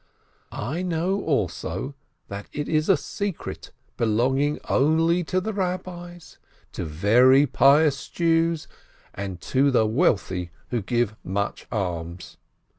I know also that it is a secret belonging only to the Rabbis, to very pious Jews, and to the wealthy who give much alms.